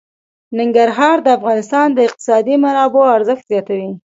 ننګرهار د افغانستان د اقتصادي منابعو ارزښت زیاتوي.